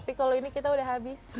tapi kalau ini kita udah habis